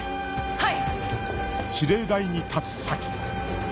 はい！